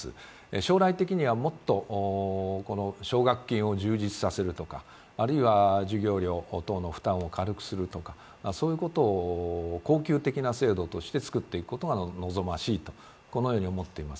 将来的にはもっと奨学金を充実させるとかあるいは授業料等の負担を軽くするとかそういうことを恒久的な制度として作っていくことが望ましいと思っています。